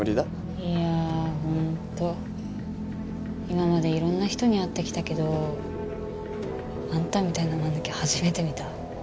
今までいろんな人に会ってきたけどあんたみたいなマヌケ初めて見た。